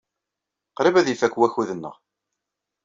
Qrib ad ifak wakud-nneɣ.